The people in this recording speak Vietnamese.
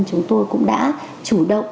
chúng tôi cũng đã chủ động